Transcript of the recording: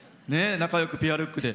仲よくペアルックで。